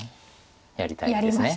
やりたいですね。